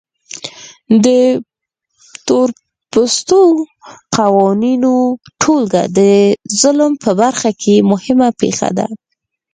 د تورپوستو د قوانینو ټولګه د ظلم په برخه کې مهمه پېښه ده.